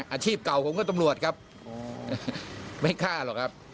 อาชีพเก่าผมก็ตำรวจครับไม่กล้าหรอกครับ